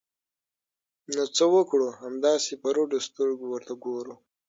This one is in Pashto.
نو څه وکړو؟ همداسې په رډو سترګو ورته وګورو!